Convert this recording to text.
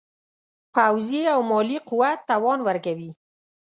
پوځي او مالي قوت توان ورکوي.